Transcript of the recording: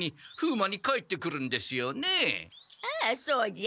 ああそうじゃ。